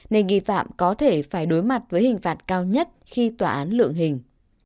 nên nghi phạm có thể phải đối mặt với hình phạt cao nhất khi tòa án lượng hình